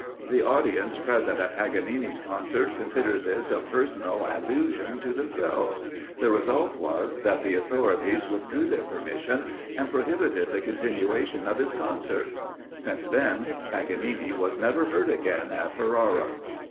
The audience present at Paganini's concert considered this a personal allusion to themselves; the result was, that the authorities withdrew their permission and prohibited the continuation of his concerts. Since then, Paganini was never heard again at Ferrara.